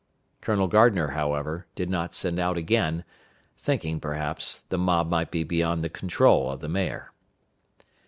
Colonel Gardner, however, did not send out again, thinking, perhaps, the mob might be beyond the control of the mayor.